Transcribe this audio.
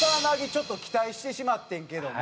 ちょっと期待してしまってんけども。